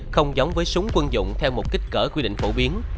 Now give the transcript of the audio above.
không giống với súng quân dụng theo một kích cỡ quy định phổ biến